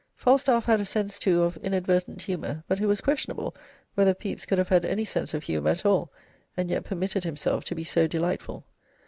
Falstaff had a sense, too, of inadvertent humour, but it was questionable whether Pepys could have had any sense of humour at all, and yet permitted himself to be so delightful.